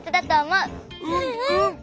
うんうん！